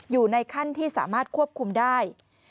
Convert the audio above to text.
อยู่ในขั้นที่สามารถควบคุมได้